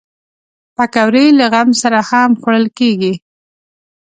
پکورې له غم سره هم خوړل کېږي